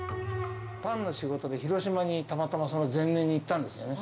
パンの仕事で、広島にたまたま、その前年に行ったんですよね。